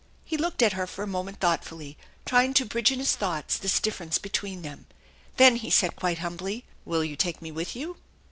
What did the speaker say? He looked at her for a moment thoughtfully, trying to bridge in his thoughts this difference between them. Then he said quite humbly, " Will you take me with you?"